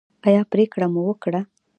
ایا پریکړه مو وکړه؟